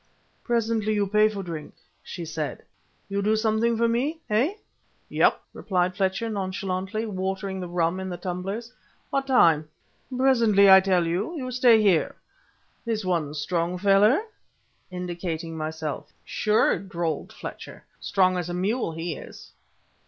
"Presently you pay for drink," she said. "You do something for me eh?" "Yep," replied Fletcher nonchalantly, watering the rum in the tumblers. "What time?" "Presently I tell you. You stay here. This one a strong feller?" indicating myself. "Sure," drawled Fletcher; "strong as a mule he is."